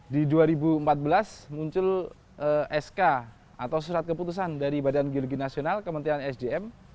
di dua ribu empat belas muncul sk atau surat keputusan dari badan geologi nasional kementerian sdm